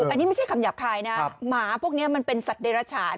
อันนี้ไม่ใช่คำหยาบคายนะหมาพวกนี้มันเป็นสัตว์เดรฉาน